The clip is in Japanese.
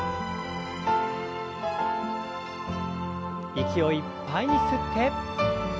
息をいっぱいに吸って。